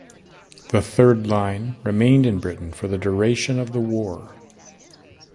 The third-line remained in Britain for the duration of the war.